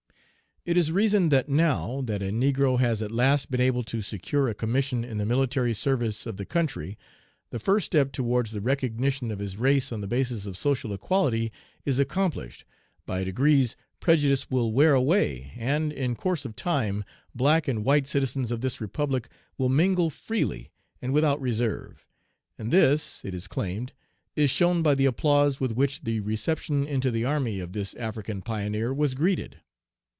"It is reasoned that now, that a negro has at last been able to secure a commission in the military service of the country, the first step towards the recognition of his race on the basis of social equality is accomplished, by degrees prejudice will wear away, and, in course of time, black and white citizens of this republic will mingle freely and without reserve; and this, it is claimed, is shown by the applause with which the reception into the army of this African pioneer was greeted.